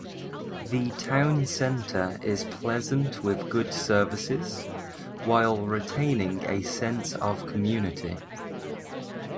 The town centre is pleasant with good services, while retaining a sense of community.